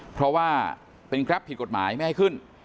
เพราะว่าเป็นแกรปผิดกฎหมายไม่ให้ขึ้น